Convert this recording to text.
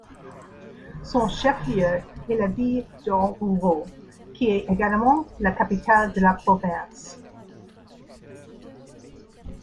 Son chef-lieu est la ville d'Oruro, qui est également la capitale de la province.